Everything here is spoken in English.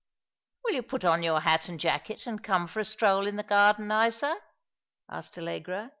" Will you put on your hat and jacket and come for a stroll in the garden, Isa ?" asked Allegra.